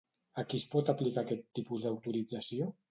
A qui es pot aplicar aquest tipus d'autorització?